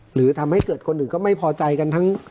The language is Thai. หรือทำให้เกิดคนอื่นก็ไม่พอใจกันทั้ง